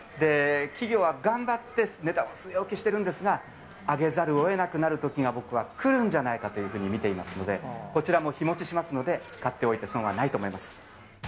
企業は頑張って値段を据え置きしてるんですが、上げざるをえなくなるときが僕は来るんじゃないかというふうに見ていますので、こちらも日持ちしますので、買っておいて損はないと思います。